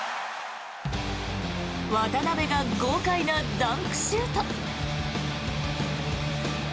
渡邊が豪快なダンクシュート。